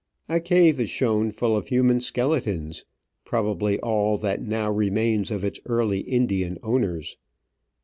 A cave is shown full of human skeletons, probably all that now re mains of its early Indian owners.